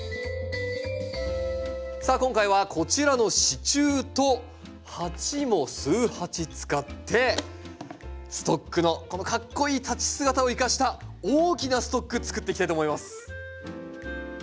さあ今回はこちらの支柱と鉢も数鉢使ってストックのこのかっこいい立ち姿を生かした大きなストックつくっていきたいと思います。